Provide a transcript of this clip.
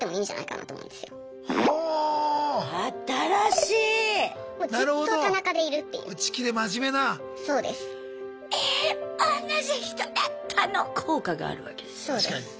おんなじ人だったの効果があるわけですね。